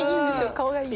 顔がいい。